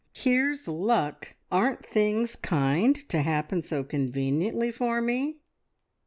Here's luck! Aren't things kind to happen so conveniently for me?